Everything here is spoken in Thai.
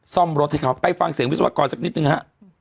ซ่อมรถให้เขาไปฟังเสียงวิศวกรสักนิดนึงฮะ